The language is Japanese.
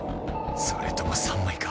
それとも３枚か？